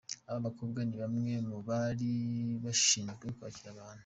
Aba bakobwa ni bamwe mu bari bashinzwe kwakira abantu.